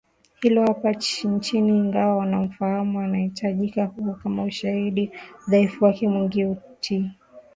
hilo hapa nchini ingawa wanaomfahamu wanataja huo kama ushahidi wa udhaifu wake mwingine utii